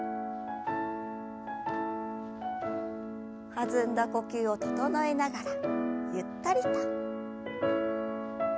弾んだ呼吸を整えながらゆったりと。